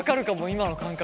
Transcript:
今の感覚。